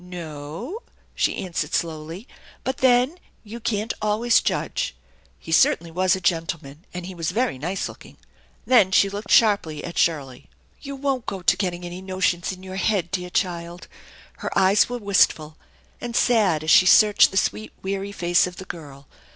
"No o o," she answered slowly; "but then, you can't always judge. He certainly was a gentleman, and he was very nice looking." Then she looked sharply at Shirley. " You won't go to getting any notions in your head, deal 'cnild?" Her eyes were wistful and sad as she searched the sweet, weary face of the girl.